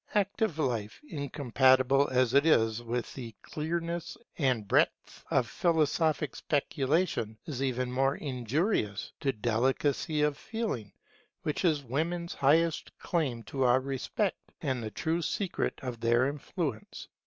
Active life, incompatible as it is with the clearness and breadth of philosophic speculation, is even more injurious to delicacy of feeling, which is women's highest claim to our respect and the true secret of their influence.